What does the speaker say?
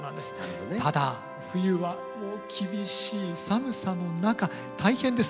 ただ冬はもう厳しい寒さの中大変です。